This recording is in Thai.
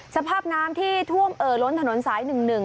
สภาพน้ำที่ท่วมเอ่อล้นถนนสาย๑๑